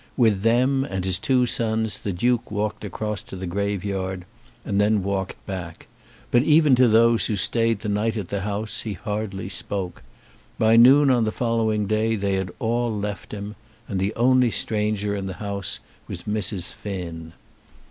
With them and his two sons the Duke walked across to the graveyard, and then walked back; but even to those who stayed the night at the house he hardly spoke. By noon on the following day they had all left him, and the only stranger in the house was Mrs. Finn.